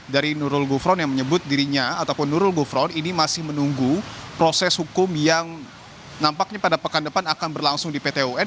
dari nurul gufron yang menyebut dirinya ataupun nurul gufron ini masih menunggu proses hukum yang nampaknya pada pekan depan akan berlangsung di pt un